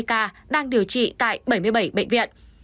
ba ba trăm ba mươi ca đang điều trị tại bảy mươi bảy bệnh viện